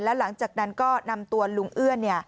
หลังจากนั้นก็นำตัวลุงเอื้อน